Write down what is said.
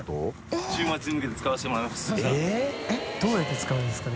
どうやって使うんですかね？